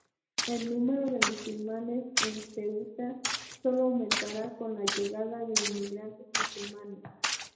El número de musulmanes en Ceuta solo aumentará con la llegada de inmigrantes musulmanes.